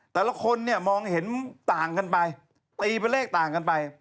แต่ละคนเนี่ยมองเห็นต่างกันไปตีเป็นเลขต่างกันไป